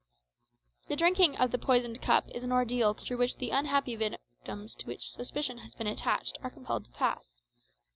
This drinking of the poisoned cup is an ordeal through which the unhappy victims to whom suspicion has been attached are compelled to pass.